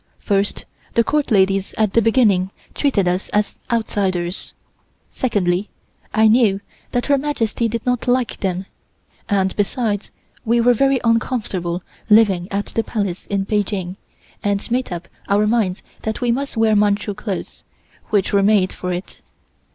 First, the Court ladies at the beginning treated us as outsiders. Secondly, I knew that Her Majesty did not like them, and besides, we were very uncomfortable living at the Palace in Peking, and made up our minds that we must wear Manchu clothes, which were made for it.